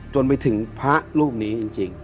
จนไปถึงพระรูปนี้จริง